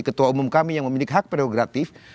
ketua umum kami yang memiliki hak prerogatif